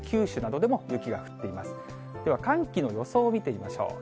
では、寒気の予想を見てみましょう。